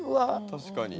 確かに。